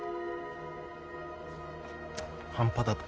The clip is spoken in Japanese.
半端だと？